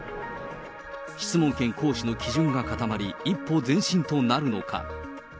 質問権行使の基準が固まり、一歩前進となるのか。